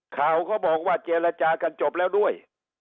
ข่าวเขาบอกว่าเจรจากันจบแล้วด้วย